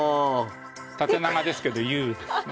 縦長ですけどＵですね。